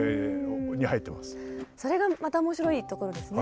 それがまた面白いところですね。